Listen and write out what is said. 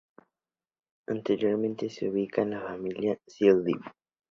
Anteriormente se ubicaba en la familia Sylviidae.